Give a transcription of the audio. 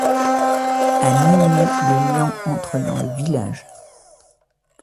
A minuit, le nian entre dans le village.